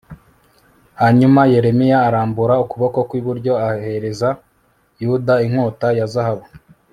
hanyuma yeremiya arambura ukuboko kw'iburyo ahereza yuda inkota ya zahabu